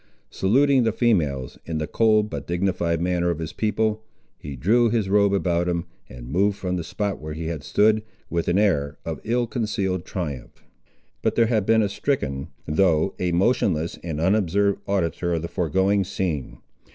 Saluting the females, in the cold but dignified manner of his people, he drew his robe about him, and moved from the spot where he had stood, with an air of ill concealed triumph. But there had been a stricken, though a motionless and unobserved auditor of the foregoing scene.